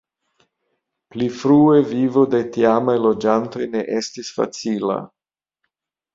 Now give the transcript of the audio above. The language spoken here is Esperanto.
Pli frue vivo de tiamaj loĝantoj ne estis facila.